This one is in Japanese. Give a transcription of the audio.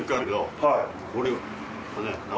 はい。